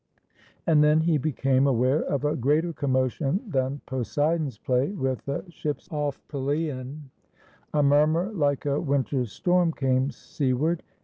And then he became aware of a greater commo tion than Poseidon's play with the ships off PeUon. A murmur like a winter's storm came seaward.